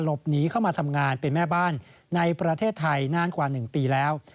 หนีเข้ามาทำงานเป็นแม่บ้านในประเทศไทยนานกว่า๑ปีแล้ว